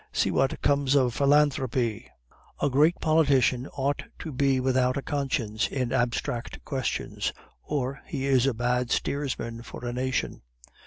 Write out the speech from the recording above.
See what comes of philanthropy! "A great politician ought to be without a conscience in abstract questions, or he is a bad steersman for a nation.